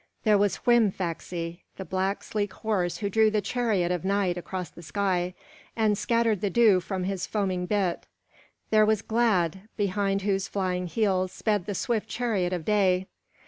There was Hrîmfaxi, the black, sleek horse who drew the chariot of Night across the sky and scattered the dew from his foaming bit. There was Glad, behind whose flying heels sped the swift chariot of Day.